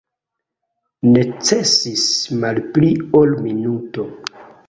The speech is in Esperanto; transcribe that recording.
Necesis malpli ol minuto